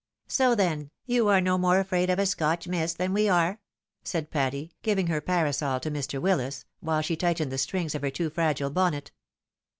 " So, then, you are no more afraid of a Scotch mist than we are ?" said Patty, giving her parasol to Mr. Willis, while she tightened the strings of her too fragile bonnet.